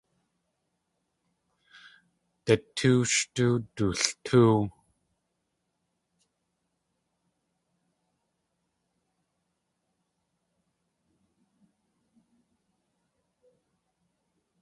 Datóow shtóo dudlitóow.